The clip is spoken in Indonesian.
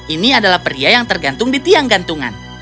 ini adalah pria yang tergantung di tiang gantungan